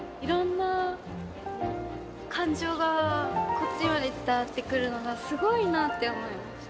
こっちまで伝わってくるのがすごいなって思いました。